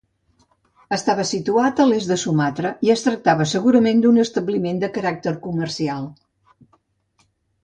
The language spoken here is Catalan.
Estava situat a l'est de Sumatra, i es tractava segurament d'un establiment de caràcter comercial.